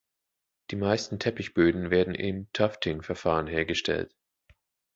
Die meisten Teppichböden werden im Tufting-Verfahren hergestellt.